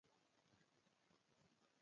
ذهن د نوو لارو جوړولو وړتیا لري.